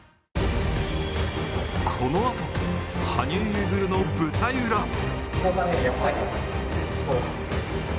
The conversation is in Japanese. このあと、羽生結弦の舞台裏。